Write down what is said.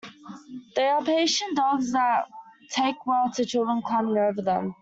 They are patient dogs that take well to children climbing over them.